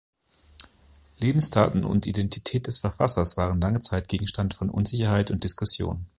Lebensdaten und Identität des Verfassers waren lange Zeit Gegenstand von Unsicherheit und Diskussion.